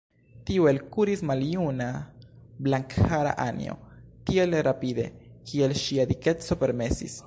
Tuj elkuris maljuna, blankhara Anjo, tiel rapide, kiel ŝia dikeco permesis.